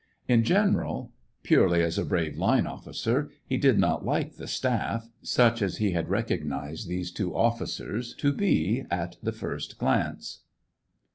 In general, purely as a brave " line " otficer, he did not like "the staff," such as he had recognized these two officers to be at the first glance.